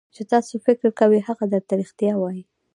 چې تاسو فکر کوئ هغه درته رښتیا وایي.